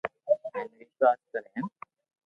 ھين وݾواس ڪر ھين